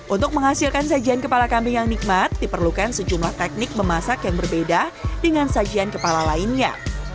untuk menghasilkan sajian kepala kambing yang nikmat diperlukan sejumlah teknik memasak yang berbeda dengan sajian kepala lainnya